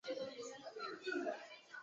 害怕可能的结局